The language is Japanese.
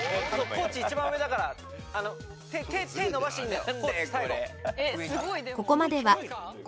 地一番上だから手伸ばしていいんだよ。